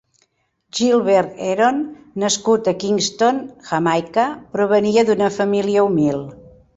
Gilbert Heron, nascut a Kingston, Jamaica, provenia d'una família humil.